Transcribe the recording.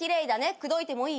口説いてもいい？